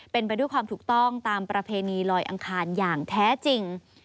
เป็นไปด้วยความถูกต้องตามประเพณีลอยอังคารอย่างแท้จริง